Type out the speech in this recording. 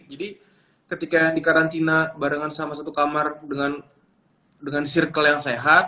jadi ketika yang di karantina barengan sama satu kamar dengan circle yang sehat